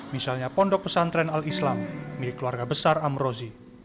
misalnya pondok pesantren al islam milik keluarga besar amrozi